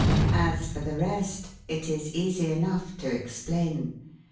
As for the rest, it is easy enough to explain.